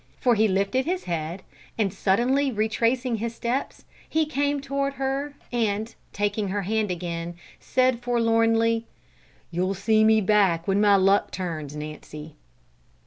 For he lifted his head, and suddenly retracing his steps, he came toward her, and, taking her hand again, said forlornly: "You'll see me back when my luck turns, Nancy."